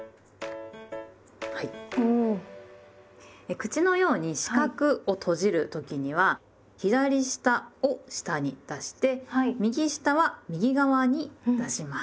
口のように四角を閉じる時には左下を下に出して右下は右側に出します。